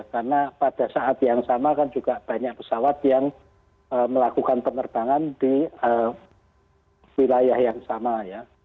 karena pada saat yang sama kan juga banyak pesawat yang melakukan penerbangan di wilayah yang sama ya